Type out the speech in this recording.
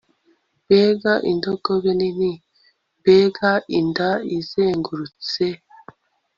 Mbega indogobe nini mbega inda izengurutse